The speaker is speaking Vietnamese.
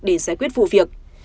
để giải quyết vụ việc